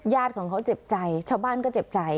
ญาติของเขาเจ็บใจชาวบ้านก็เจ็บใจ